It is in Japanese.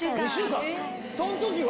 その時は。